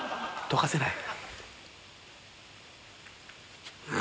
溶かせない？